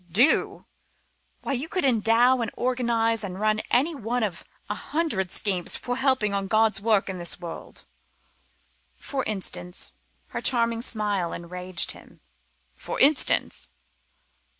"Do? why, you could endow and organise and run any one of a hundred schemes for helping on God's work in the world." "For instance?" Her charming smile enraged him. "For instance?